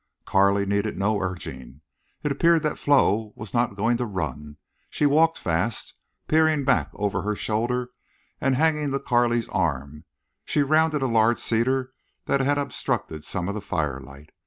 Carley needed no urging. It appeared that Flo was not going to run. She walked fast, peering back over her shoulder, and, hanging to Carley's arm, she rounded a large cedar that had obstructed some of the firelight.